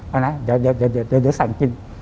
เอานะเดี๋ยวสั่งกิน